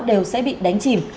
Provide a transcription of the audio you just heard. đều sẽ bị đánh chìm